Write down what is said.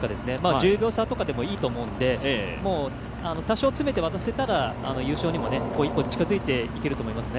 １０秒差とかでもいいと思うので多少詰めて渡せたら優勝にも一歩近づいていけると思います。